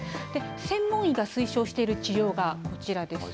専門医が推奨している治療がこちらです。